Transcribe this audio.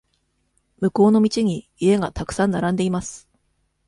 向こうの道に家がたくさん並んでいます。